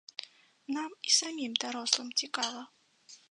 Нам і самім, дарослым, цікава.